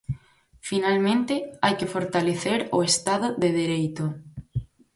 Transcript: Finalmente, hai que fortalecer o Estado de dereito.